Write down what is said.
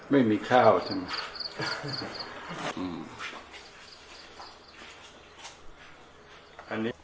ไม่มีข้าวใช่ไหม